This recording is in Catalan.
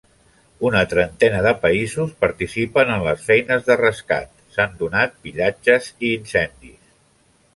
Una trentena de països participen en les feines de rescat, s'han donat pillatges i incendis.